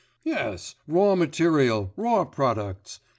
'Yes, raw material, raw products.